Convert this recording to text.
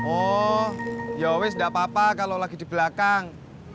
oh ya wis tidak apa apa kalau lagi di belakang